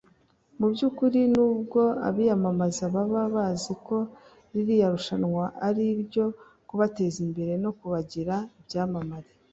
Mu by’ukuri n’ubwo abiyamamaza baba bazi ko ririya rushanwa ari iryo kubateza imbere no kubagira ibyamamare